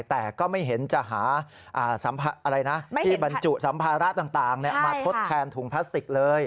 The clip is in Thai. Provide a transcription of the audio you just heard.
แต่ก็ไม่เห็นจะหาอะไรนะที่บรรจุสัมภาระต่างมาทดแทนถุงพลาสติกเลย